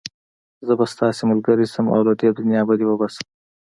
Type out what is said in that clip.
زه به ستا ملګری شم او له دې دنيا به دې وباسم.